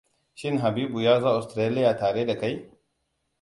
Shin Habibu ya zo Australia tare da kai?